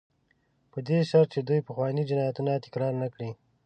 په دې شرط چې دوی پخواني جنایتونه تکرار نه کړي.